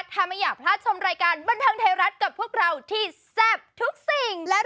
ขอบัสฟรี๒ใบได้เปล่า